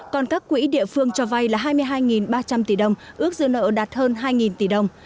còn các quỹ địa phương cho vay là hai mươi hai ba trăm linh tỷ đồng ước dư nợ đạt hơn hai tỷ đồng